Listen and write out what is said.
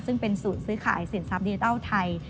ซึ่งเป็นสูตรซื้อขายสินทรัพย์ดิจิทัลไทย